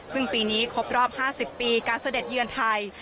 ซึ่งปีนี้ครบรอบ๕๐ปีการเสด็จเยือนไทย